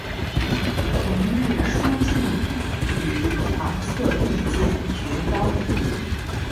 明日书数语于堂侧壁间绝高处。